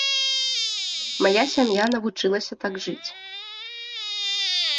Мая сям'я навучылася так жыць.